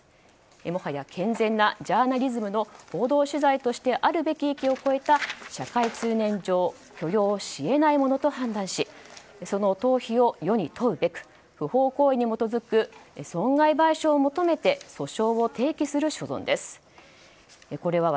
もはや健全なジャーナリズムの報道取材としてあるべき域を超えた社会通念上許容し得ないものと判断しその当否を世に問うべく、不法行為に基づく損害賠償を求めて訴訟を提起する所存です。